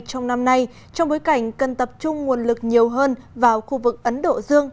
trong năm nay trong bối cảnh cần tập trung nguồn lực nhiều hơn vào khu vực ấn độ dương